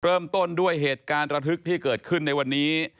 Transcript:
เริ่มต้นด้วยเหตุการณ์ระทึกที่เกิดขึ้นในวันนี้